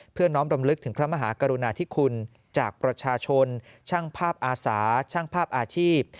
เพื่อน้องดำลึกถึงความมหากรุณาที่คุณจากประชาชนช่างภาพอาสาช่างภาพอาชีพ